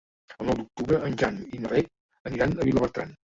El nou d'octubre en Jan i na Beth aniran a Vilabertran.